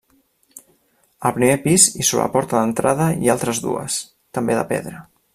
Al primer pis i sobre la porta d'entrada hi ha altres dues, també de pedra.